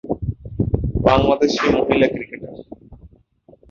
বাংলাদেশী মহিলা ক্রিকেটার।